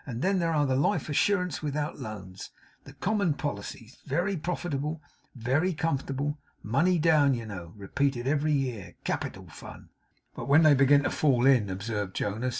Then there are the Life Assurances without loans; the common policies. Very profitable, very comfortable. Money down, you know; repeated every year; capital fun!' 'But when they begin to fall in,' observed Jonas.